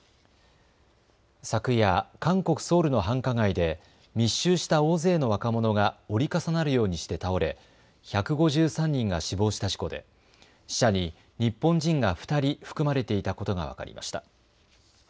昨夜、韓国・ソウルの繁華街で密集した大勢の若者が折り重なるようにして倒れ１５３人が死亡した事故で死者に日本人が２人含まれていたことが分かりました。